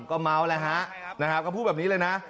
ก็เม้าท์แล้วฮะนะฮะก็พูดแบบนี้เลยนะ